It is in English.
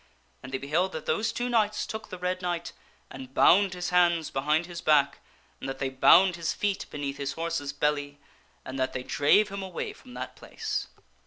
And they beheld that those two knights took the Red Knight and bound his hands behind his back, and that they bound his feet beneath his horse's belly, and that they drave him away from that place.